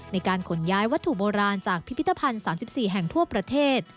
ในการขนย้ายวัตถุโบราณจากพิพิธภัณฑ์๓๔แห่งทั่วประเทศ